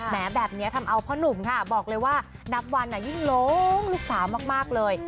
แม้แบบนี้ทำเอาพ่อนุ่มค่ะบอกเลยว่านับวันยิ่งลงลูกสาวมากเลย